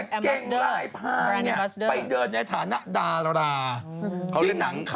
มันจะมีคนไทยอีกกลุ่มหนึ่งนะมันจะมีคนไทยอีกกลุ่มหนึ่งนะ